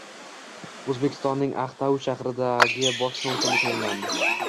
O‘zbekistonning Aqtau shahridagi bosh konsuli tayinlandi